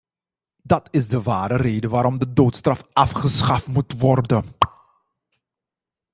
Dat is de ware reden waarom de doodstraf afgeschaft moet worden.